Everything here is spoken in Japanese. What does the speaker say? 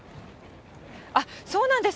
あっ、そうなんです。